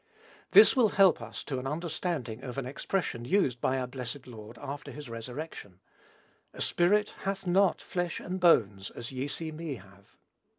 This will help us to an understanding of an expression used by our blessed Lord after his resurrection, "A spirit hath not flesh and bones, as ye see me have."